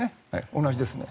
同じですね。